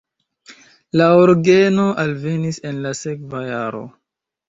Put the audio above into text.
La orgeno alvenis en la sekva jaro.